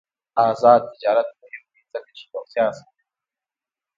آزاد تجارت مهم دی ځکه چې روغتیا اسانوي.